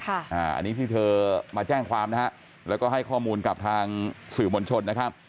อันนี้ที่เธอมาแจ้งความนะฮะแล้วก็ให้ข้อมูลกับทางสื่อมวลชนนะครับ